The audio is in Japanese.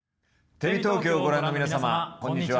テレビ東京をご覧の皆様こんにちは。